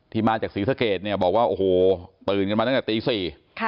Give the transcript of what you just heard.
มาจากศรีสะเกดเนี่ยบอกว่าโอ้โหตื่นกันมาตั้งแต่ตีสี่